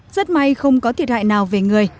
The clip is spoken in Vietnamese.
rất may không có thiệt hại nào về người